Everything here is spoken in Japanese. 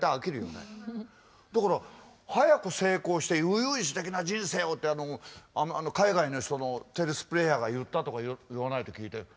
だから早く成功して悠々自適な人生をって海外の人のテニスプレーヤーが言ったとか言わないと聞いてマジか？